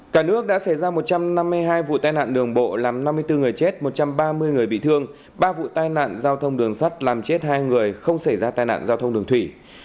cả nước đã xảy ra một trăm năm mươi hai vụ tai nạn đường bộ làm năm mươi bốn người chết một trăm ba mươi người bị thương ba vụ tai nạn giao thông đường sắt làm chết hai người không xảy ra tai nạn giao thông đường thủy